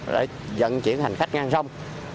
để dẫn chuyển hành khách ngang sông